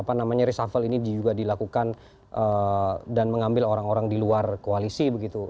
apa namanya reshuffle ini juga dilakukan dan mengambil orang orang di luar koalisi begitu